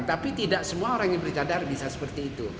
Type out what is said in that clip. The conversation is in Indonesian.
tapi tidak semua orang yang bercadar bisa seperti itu